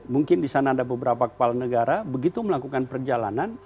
mungkin di sana ada beberapa kepala negara begitu melakukan perjalanan